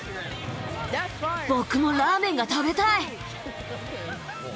僕もラーメンが食べたい。